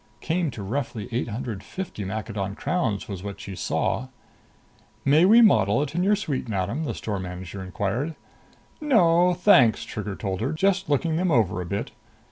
Came to roughly eight hundred fifty Maccadon crowns, was what she saw. "May we model it in your suite, madam?" the store manager inquired. "No, thanks," Trigger told her. "Just looking them over a bit."